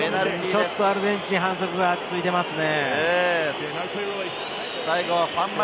ちょっとアルゼンチン、反則が続いていますね。